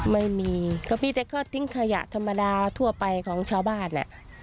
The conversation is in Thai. ไม่มีเค้ามีแต่เค้าทิ้งขยะธรรมดาทั่วไปของชาวบ้าน